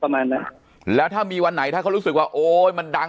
ครับผมได้ครับได้ได้ไม่ไม่หมายถึงทั้งสองฝ่ายเดี๋ยวจะหาว่าผม